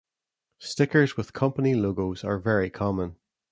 Stickers with company logos are very common.